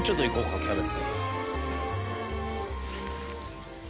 キャベツ。